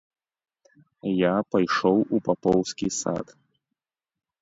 Я пайшоў у папоўскі сад.